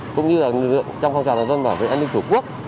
cũng như lực lượng trong phong trào giả dân bảo vệ an ninh của quốc